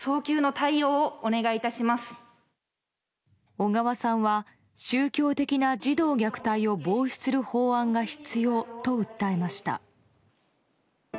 小川さんは宗教的な児童虐待を防止する法案が必要と訴えました。